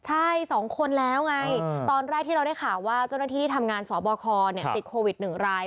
ใช่๒คนแล้วไงตอนแรกที่เราได้ข่าวว่าเจ้าหน้าที่ที่ทำงานสบคติดโควิด๑ราย